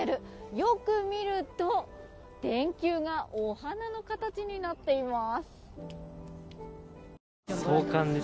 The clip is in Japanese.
よく見ると電球がお花の形になっています。